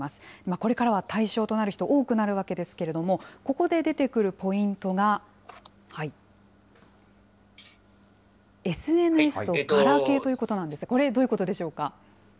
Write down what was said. これからは対象となる人、多くなるわけですけれども、ここで出てくるポイントが、ＳＮＳとガラケーということなんですね。